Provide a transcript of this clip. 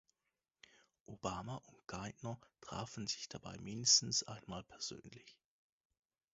Obama und Geithner trafen sich dabei mindestens einmal persönlich.